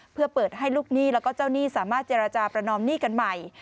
เพื่อเปิดให้ลูกหนี้แล้วก็เจ้าหนี้สามารถเจรจาประนอมหนี้กันใหม่